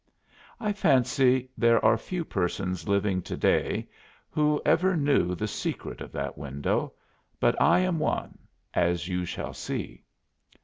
I fancy there are few persons living to day who ever knew the secret of that window, but I am one, as you shall see.